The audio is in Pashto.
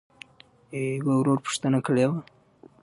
يــوه ورورپوښـتـنــه کــړېــوه.؟